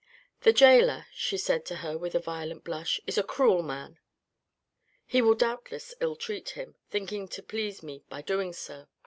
" The gaoler," she said to her with a violent blush, " is a cruel man. He will doubtless ill treat him, thinking to please me by doing so